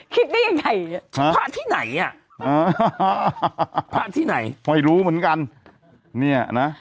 คิดได้ยังไงใช่พระที่ไหนอ่ะพระที่ไหนไม่รู้เหมือนกันเนี่ยนะ